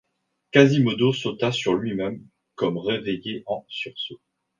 Quasimodo sauta sur lui-même, comme réveillé en sursaut.